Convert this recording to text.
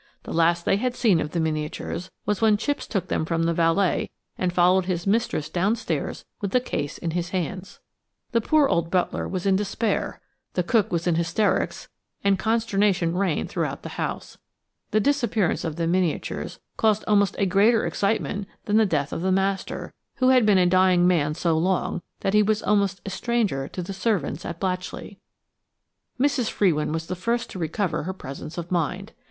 The last they had seen of the miniatures was when Chipps took them from the valet and followed his mistress downstairs with the case in his hands. The poor old butler was in despair; the cook was in hysterics, and consternation reigned throughout the house. The disappearance of the miniatures caused almost a greater excitement than the death of the master, who had been a dying man so long that he was almost a stranger to the servants at Blatchley. Mrs. Frewin was the first to recover her presence of mind.